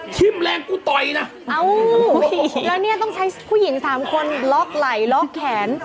แรงกูต่อยนะเอ้าแล้วเนี่ยต้องใช้ผู้หญิงสามคนล็อกไหลล็อกแขน